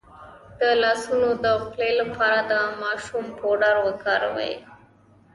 د لاسونو د خولې لپاره د ماشوم پوډر وکاروئ